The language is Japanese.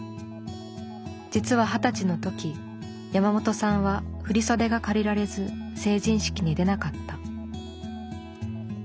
実は二十歳の時山本さんは振り袖が借りられず成人式に出なかった。